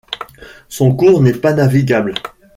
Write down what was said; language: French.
Son cours n'est pas navigable.